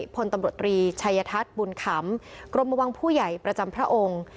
พลตำรวจตรีชัยทัศน์บุญขำกรมวังผู้ใหญ่ประจำพระองค์